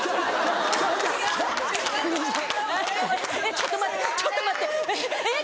ちょっと待ってちょっと待ってえっ？